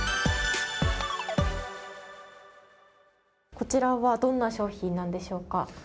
こちらは、どんな商品なんでしょうか。